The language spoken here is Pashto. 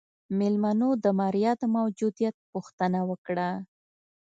مېلمنو د ماريا د موجوديت پوښتنه وکړه.